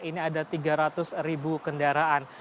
ini ada tiga ratus ribu kendaraan